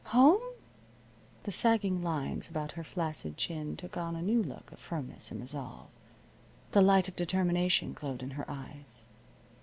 "Home?" The sagging lines about her flaccid chin took on a new look of firmness and resolve. The light of determination glowed in her eyes.